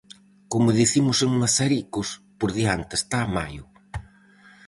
Como dicimos en Mazaricos: "por diante está maio".